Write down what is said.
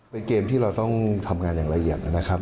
เป็นเกมที่เราต้องทำงานอย่างละเอียดนะครับ